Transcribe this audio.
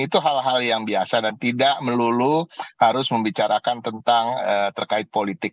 itu hal hal yang biasa dan tidak melulu harus membicarakan tentang terkait politik